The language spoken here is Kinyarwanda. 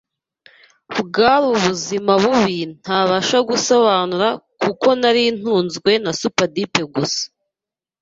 Bwari ubuzima bubi ntabasha gusobanura kuko nari ntunzwe na supadipe gusa,